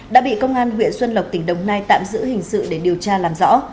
đã bị công an huyện xuân lộc tỉnh đồng nai tạm giữ hình sự để điều tra làm rõ